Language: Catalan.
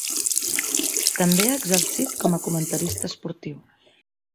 També ha exercit com a comentarista esportiu.